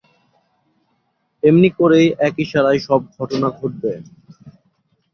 এমনি করেই এক ইশারায় সব ঘটনা ঘটবে।